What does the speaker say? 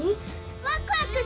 ワクワクしたわ。